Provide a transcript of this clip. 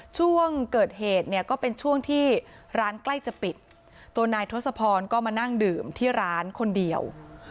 ช่วงเกิดเหตุเนี่ยก็เป็นช่วงที่ร้านใกล้จะปิดตัวนายทศพรก็มานั่งดื่มที่ร้านคนเดียว